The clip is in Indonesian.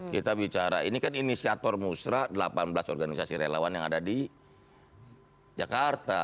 kita bicara ini kan inisiator musrah delapan belas organisasi relawan yang ada di jakarta